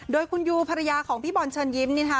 โดยคุณยูภรรยาของพี่บอลเชิญยิ้มนี่นะคะ